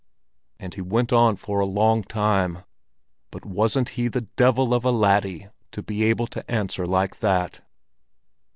And he went on for a long time. But wasn't he the devil of a laddie to be able to answer like that!